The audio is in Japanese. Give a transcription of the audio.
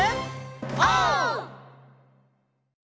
オー！